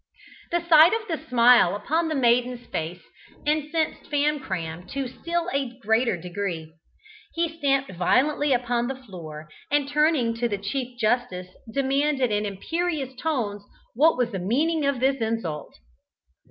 The sight of the smile upon the maiden's face incensed Famcram to a still greater degree. He stamped violently upon the floor, and turning to the Chief Justice demanded in imperious tones what was the meaning of this insult.